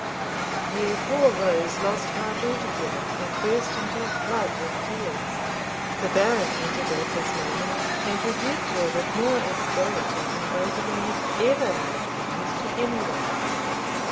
Here poor Rose lost heart altogether, and burst into a flood of tears. The Baron entered at this moment, and rebuked her with more asperity than Waverley had ever heard him use to any one.